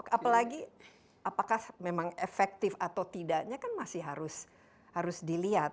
apalagi apakah memang efektif atau tidaknya kan masih harus dilihat